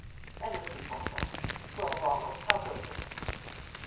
And diis is Rollo. Well, Rollo, how goes it?"